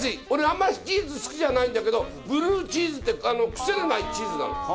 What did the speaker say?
俺あんまりチーズ好きじゃないんだけどブルーチーズってクセのないチーズなの。